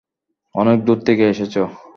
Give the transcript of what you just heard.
অনেকদূর থেকে এসেছ।